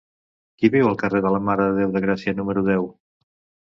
Qui viu al carrer de la Mare de Déu de Gràcia número deu?